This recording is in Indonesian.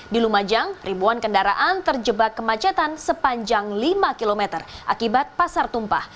di lumajang ribuan kendaraan terjebak kemacetan sepanjang lima km akibat pasar tumpah